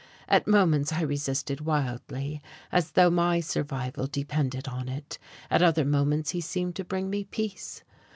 At moments I resisted wildly, as though my survival depended on it; at other moments he seemed to bring me peace.